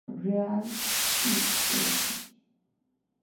Reale Ist.